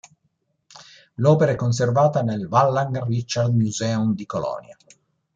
L'opera è conservata nel Wallraf-Richartz Museum di Colonia.